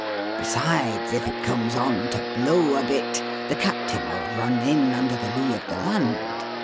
Besides, if it comes on to blow a bit, the captain will run in under the lee of the land.